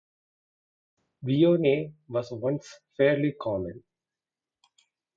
Viognier was once fairly common.